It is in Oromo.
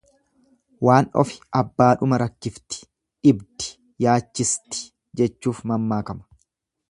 Waan ofi abbaadhuma rakkifti, dhibdi, yaachisti jechuuf mammaakama.